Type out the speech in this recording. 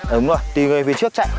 đúng rồi tì người về trước chạy